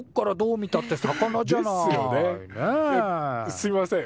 すいません。